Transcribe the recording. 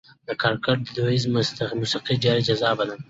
د کاکړ دودیزه موسیقي ډېر جذابه ده.